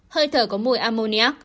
hơi thở có mùi ammonia